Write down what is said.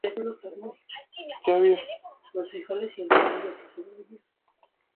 Todos deben vivir en su propio patio.